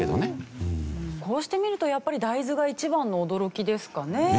こうして見るとやっぱり大豆が一番の驚きですかね。